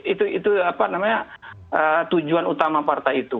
itu tujuan utama partai itu